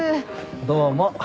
どうも。